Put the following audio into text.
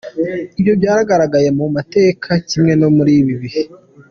Ibyo byagaragaye mu mateka, kimwe no muri ibi bihe.